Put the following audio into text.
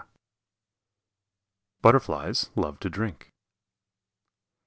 BUTTERFLIES LOVE TO DRINK.